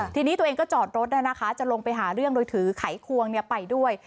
ทีนี้ตัวเองก็จอดรถจะลงไปหาเรื่องโดยถือไขควงไปด้วย